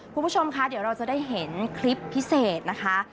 คุณผู้ชมคะเดี๋ยวเราจะได้เห็นคลิปพิเศษนะคะ